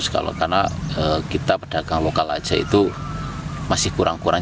karena kita pedagang lokal saja masih kurang kurang